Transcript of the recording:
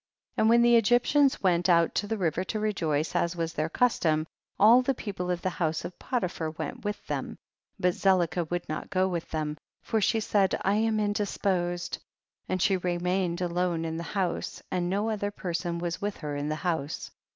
And when the Egyptians went out to the river to rejoice, as was their custom, all the people of the house of Potiphar went witii them, but Zelicah would not go with them, for she said, I am indisposed, and she remained alone in the house, and no other person was with her in the house.